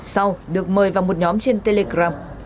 sau được mời vào một nhóm trên telegram